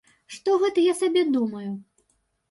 Што гэта я сабе думаю?